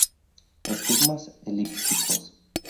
Estigmas elípticos.